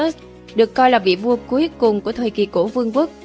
vua telibinus được coi là vị vua cuối cùng của thời kỳ cổ vương quốc